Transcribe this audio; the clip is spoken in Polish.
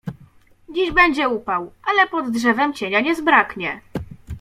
Dziś będzie upał, ale pod drzewem cienia nie zbraknie.